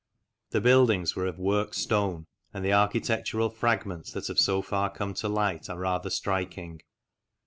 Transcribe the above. The buildings were of worked stone, and the architectural fragments that have so far come to light are rather striking.